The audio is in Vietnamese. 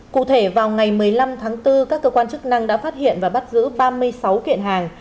cụ thể vào ngày một mươi năm tháng bốn các cơ quan chức năng đã phát hiện và bắt giữ ba mươi sáu kiện hàng